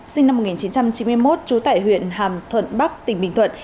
sinh năm một nghìn chín trăm chín mươi một trú tại huyện hàm thuận bắc tỉnh bình thuận